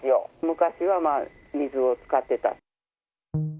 昔は水を使ってた。